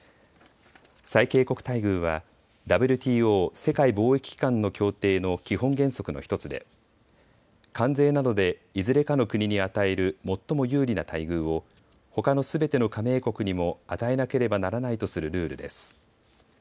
最恵国待遇はＷＴＯ・世界貿易機関の協定の基本原則の１つで関税などでいずれかの国に与える最も有利な待遇をほかのすべての加盟国にも与えなければならないとするルールです。